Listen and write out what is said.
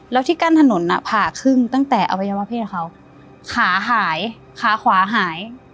แล้วที่กั้นถนนผ่าครึ่งตั้งแต่อวัยวะเพศเขาขาหายขาขวาหาย